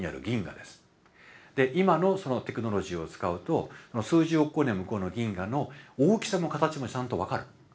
で今のテクノロジーを使うと数十億光年向こうの銀河の大きさも形もちゃんと分かる。